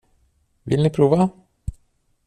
Vill ni prova?